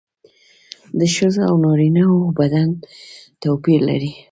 د ښځو او نارینه وو بدن توپیر لري